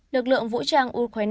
lực lượng vũ trang ukraine